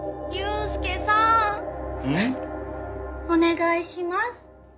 お願いします。